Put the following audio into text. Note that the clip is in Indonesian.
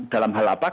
dalam hal apa